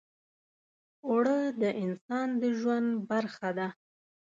اوړه د انسان د ژوند برخه ده